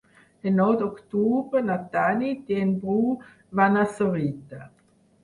El nou d'octubre na Tanit i en Bru van a Sorita.